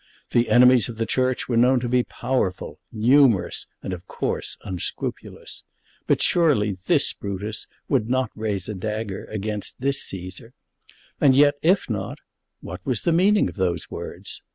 The enemies of the Church were known to be powerful, numerous, and of course unscrupulous. But surely this Brutus would not raise a dagger against this Cæsar! And yet, if not, what was the meaning of those words?